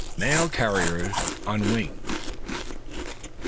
MAIL CARRIERS ON WINGS.